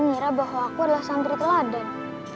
ngira bahwa aku adalah santri teladan